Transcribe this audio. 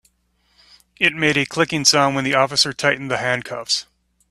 It made a clicking sound when the officer tightened the handcuffs.